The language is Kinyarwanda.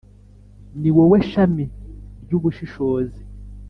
Ni wowe shami ry’ubushishozi,